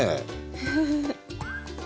フフフフ。